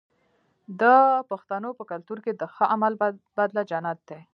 د پښتنو په کلتور کې د ښه عمل بدله جنت دی.